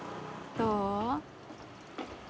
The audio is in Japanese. どう？